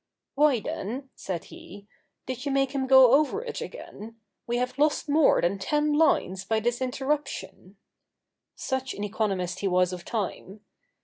'Why then,' said he, 'did you make him go over it again? We have lost more than ten lines by this interruption.' Such an economist he was of time!